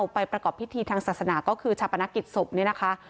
ไปประกอบพิธีทางศาสนาก็คือชาปนกิจศพเนี่ยนะคะ